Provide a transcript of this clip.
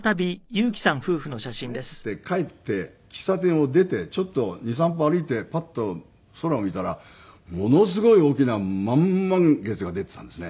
「じゃあ僕は帰るからね」って言って帰って喫茶店を出てちょっと２３歩歩いてパッと空を見たらものすごい大きな満月が出てたんですね。